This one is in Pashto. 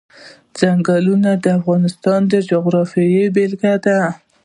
ځنګلونه د افغانستان د جغرافیې بېلګه ده.